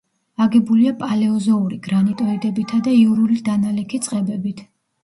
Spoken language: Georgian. აგებულია პალეოზოური გრანიტოიდებითა და იურული დანალექი წყებებით.